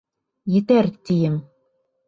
Етәр, тием!